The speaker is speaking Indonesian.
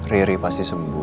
riri pasti sembuh